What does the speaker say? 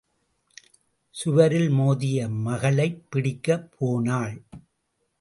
சுவரில் மோதிய மகளைப் பிடிக்கப் போனாள்.